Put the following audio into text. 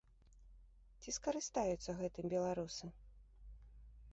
Ці скарыстаюцца гэтым беларусы?